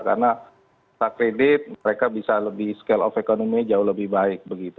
karena secredit mereka bisa lebih scale of economy jauh lebih baik begitu